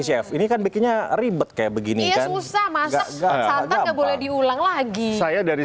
chef ini kan bikinnya ribet kayak begini kan usah masa nggak boleh diulang lagi saya dari